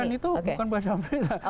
bukan itu bukan bahasa pemerintah